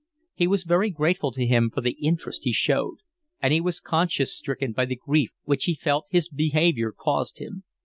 He was very grateful to him for the interest he showed, and he was conscience stricken by the grief which he felt his behaviour caused him.